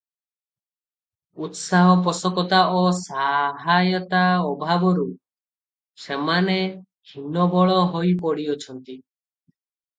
ଉତ୍ସାହପୋଷକତା ଓ ସହାୟତା ଅଭାବରୁ ସେମାନେ ହୀନବଳ ହୋଇ ପଡ଼ିଅଛନ୍ତି ।